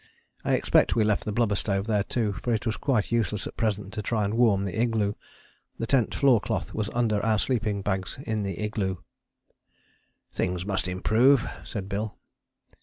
I expect we left the blubber stove there too, for it was quite useless at present to try and warm the igloo. The tent floor cloth was under our sleeping bags in the igloo. "Things must improve," said Bill.